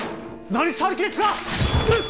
何しはる気ですか！